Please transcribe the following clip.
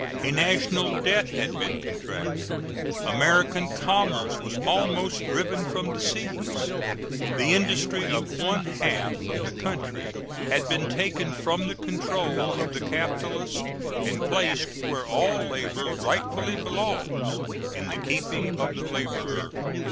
A national debt had been contracted; American commerce was almost driven from the seas; the industry of one half of the country had been taken from the control of the capitalist and placed where all labor rightfully belongs in the keeping of the laborer.